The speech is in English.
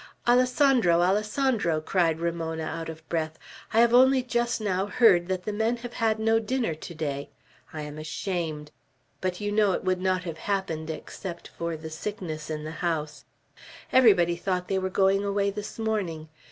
"Alessandro! Alessandro!" cried Ramona, out of breath, "I have only just now heard that the men have had no dinner to day. I am ashamed; but you know it would not have happened except for the sickness in the house. Everybody thought they were going away this morning.